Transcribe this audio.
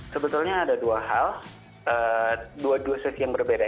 sebenarnya ada dua hal dua dua sisi yang berbeda